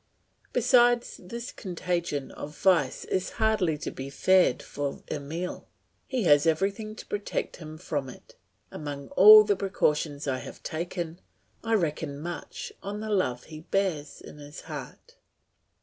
Besides this contagion of vice is hardly to be feared for Emile; he has everything to protect him from it. Among all the precautions I have taken, I reckon much on the love he bears in his heart.